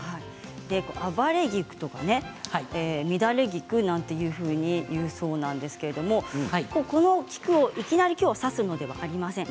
暴れ菊とか乱れ菊なんていうふうに言うそうなんですがこの菊をいきなり挿すのではありません。